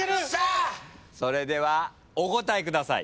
それではお答えください。